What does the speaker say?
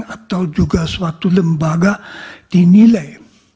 atau juga suatu lembaga dinilai